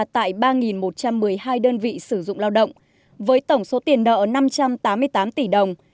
tại ba một trăm một mươi hai đơn vị sử dụng lao động với tổng số tiền nợ năm trăm tám mươi tám tỷ đồng